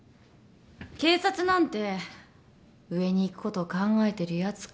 警察なんて上に行くことを考えてるやつか